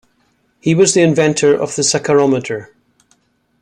He was the inventor of the saccharometer.